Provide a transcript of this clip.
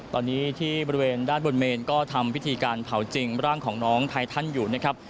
ตอนนี้ที่บริเวณด้านบนเมนก็ทำพิธีการเผาจริงร่างของน้องไททันอยู่นะครับ